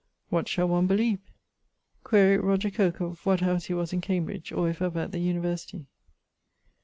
What shall one beleeve? Quaere Roger Coke of what house he was in Cambridge, or if ever at the University.